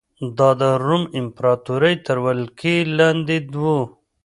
دا د روم امپراتورۍ تر ولکې لاندې و